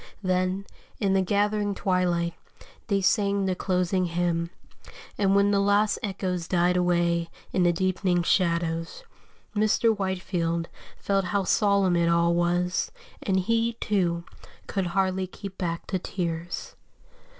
Then, in the gathering twilight, they sang the closing hymn, and when the last echoes died away in the deepening shadows, Mr. Whitefield felt how solemn it all was, and he, too, could hardly keep back the tears.